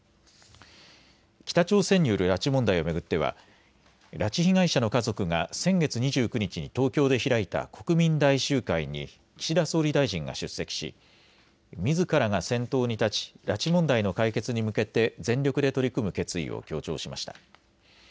北朝鮮による拉致問題を巡っては拉致被害者の家族が先月２９日に東京で開いた国民大集会に岸田総理大臣が出席しみずからが先頭に立ち拉致問題の解決に向けて全力で取り組む決意を強調しました。